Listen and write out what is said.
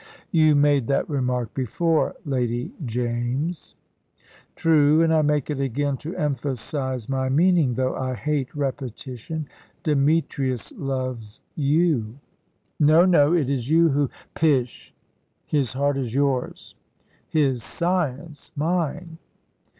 "You made that remark before, Lady James." "True, and I make it again, to emphasise my meaning, though I hate repetition. Demetrius loves you." "No, no! It is you who " "Pish! His heart is yours; his science mine."